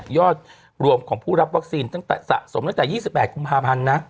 ยอดรวมของผู้รับวัคซีนสะสมตั้งแต่๒๘คุมภาพันธุ์